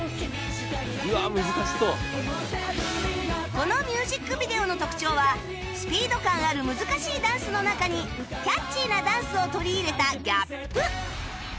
このミュージックビデオの特徴はスピード感ある難しいダンスの中にキャッチーなダンスを取り入れたギャップ